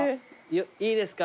いいですか？